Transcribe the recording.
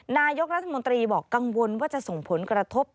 นายกรัฐมนตรีบอกกังวลว่าจะส่งผลกระทบ